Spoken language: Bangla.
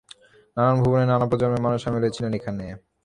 নানান ভুবনের, নানা প্রজন্মের মানুষ শামিল হয়েছিলেন এখানে।